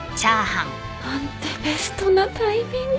何てベストなタイミング。